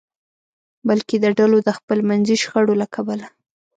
بلکې د ډلو د خپلمنځي شخړو له کبله.